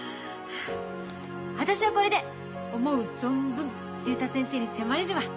私はこれで思う存分竜太先生に迫れるわ。